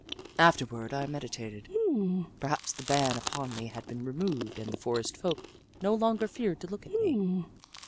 Afterward, I meditated. Perhaps the ban upon me had been removed and the forest folk no longer feared to look at me.